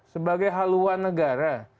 sebagai haluan negara